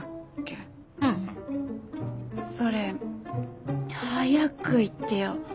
うん。それ早く言ってよ。